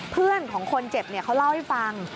เพื่อนของคนเจ็บเขาเล่าให้ฟัง